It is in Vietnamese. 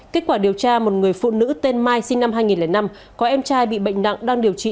kết quả điều tra một người phụ nữ tên mai sinh năm hai nghìn năm có em trai bị bệnh nặng đang điều trị